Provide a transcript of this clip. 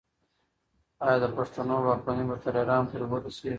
آیا د پښتنو واکمني به تر ایران پورې ورسیږي؟